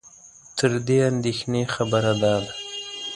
تر دې اندېښنې خبره دا ده